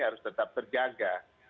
harus tetap terjaga